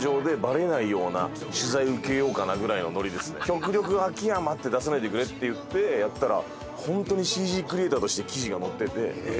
極力秋山って出さないでくれって言ってやったら本当にＣＧクリエイターとして記事が載ってて。